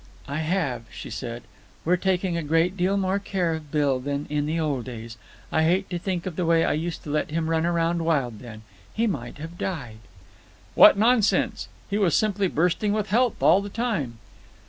"I have," she said. "We're taking a great deal more care of Bill than in the old days. I hate to think of the way I used to let him run around wild then. He might have died." "What nonsense! He was simply bursting with health all the time."